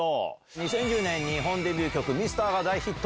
２０１０年日本デビュー曲、ミスターが大ヒット。